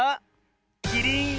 キリン！